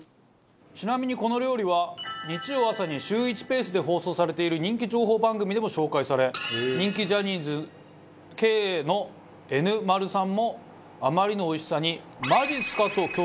ちなみにこの料理は日曜朝に「シューイチ」ペースで放送されている人気情報番組でも紹介され人気ジャニーズＫのＮ丸さんもあまりのおいしさに「まじっすか」と驚愕。